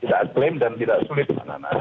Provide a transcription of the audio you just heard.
tidak klaim dan tidak sulit mbak nana